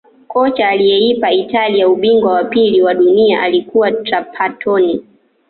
kocha aliyeipa italia ubingwa wa pili wa dunia alikuwa trapatoni